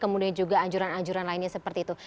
kemudian juga anjuran anjuran lainnya seperti itu